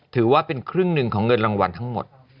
ถือว่าเป็นครึ่งหนึ่งของเงินรางวัลทั้งหมด